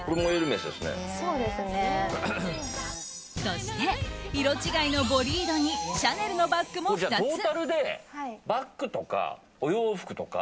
そして、色違いのボリードにシャネルのバッグも２つ。